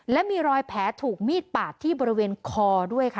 และมีรอยแผลถูกมีดปาดที่บริเวณคอด้วยค่ะ